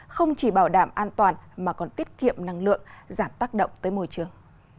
không chỉ bảo đảm an toàn mà còn tiết kiệm năng lượng giảm tác động tới môi trường